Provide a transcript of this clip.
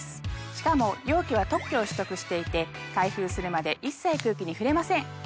しかも容器は特許を取得していて開封するまで一切空気に触れません。